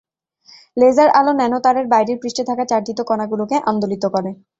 Laser আলো ন্যানোতারের বাইরের পৃষ্ঠে থাকা চার্জিত কণাগুলোকে আন্দোলিত করে।